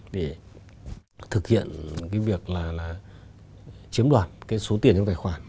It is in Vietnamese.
để thực hiện việc chiếm đoạt số tiền trong tài khoản